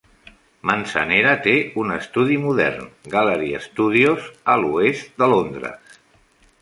Manzanera té un estudi modern, Gallery Studios, a l'oest de Londres.